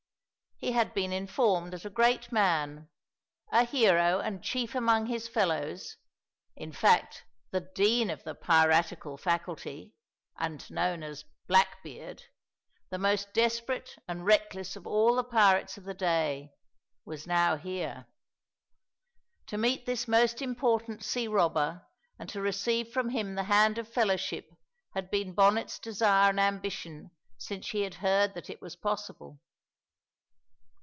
He had been informed that a great man, a hero and chief among his fellows in fact, the dean of the piratical faculty, and known as "Blackbeard," the most desperate and reckless of all the pirates of the day was now here. To meet this most important sea robber and to receive from him the hand of fellowship had been Bonnet's desire and ambition since he had heard that it was possible.